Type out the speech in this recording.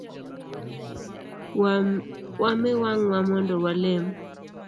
Wa mi wangwa mondo wa lem.